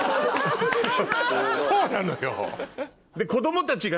そうなのよ。